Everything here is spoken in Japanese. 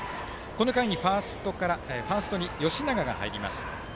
この回にファーストに吉永が入ります。